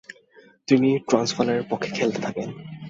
তিনি ট্রান্সভালের পক্ষে খেলতে থাকেন।